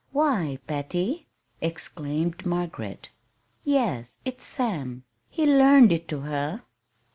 Why, Patty!" exclaimed Margaret. "Yes. It's Sam. He learned it to her."